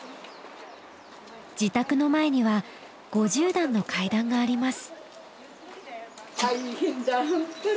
自宅の前には５０段の階段があります。